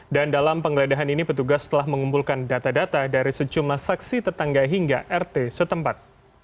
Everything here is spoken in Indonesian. dan dalam penggeledahan ini petugas telah mengumpulkan data data dari secumlah saksi tetangga hingga rt setempat